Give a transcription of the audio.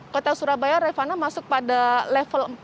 kota surabaya rifana masuk pada level empat